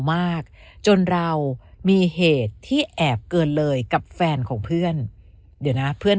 มากจนเรามีเหตุที่แอบเกินเลยกับแฟนของเพื่อนเดี๋ยวนะเพื่อน